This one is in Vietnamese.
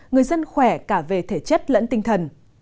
người dân khỏe cả về thể chất lẫn tinh thần